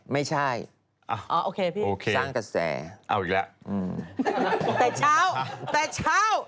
ไม่ใช่สร้างกระแสเอ้าอีกแล้ว